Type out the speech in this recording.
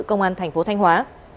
công an thành phố thanh hóa